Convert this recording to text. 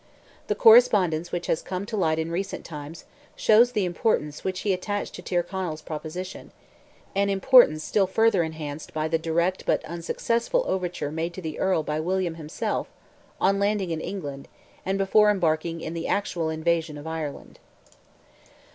The correspondence which has come to light in recent times, shows the importance which he attached to Tyrconnell's proposition—an importance still further enhanced by the direct but unsuccessful overture made to the earl by William himself, on landing in England, and before embarking in the actual invasion of Ireland.